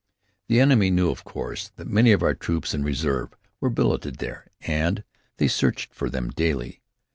The enemy knew, of course, that many of our troops in reserve were billeted there, and they searched for them daily.